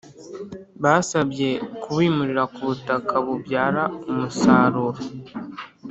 Basabye kubimurira ku butaka bubyara umusaruro